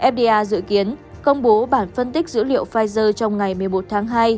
fda dự kiến công bố bản phân tích dữ liệu pfizer trong ngày một mươi một tháng hai